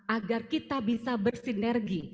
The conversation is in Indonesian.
agar kita bisa bersinergi